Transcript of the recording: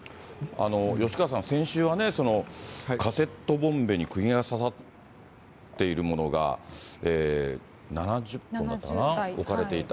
吉川さん、先週はね、カセットボンベにくぎが刺さっているものが、７０本だったかな、置かれていた。